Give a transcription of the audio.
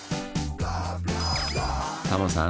タモさん